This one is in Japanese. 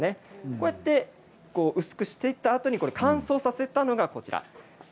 こうやって薄くしていったあとに乾燥させたものがこちらです。